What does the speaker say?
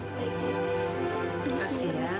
terima kasih ya